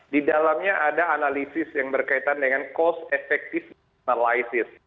di dalamnya ada analisis yang berkaitan dengan cost effectiveness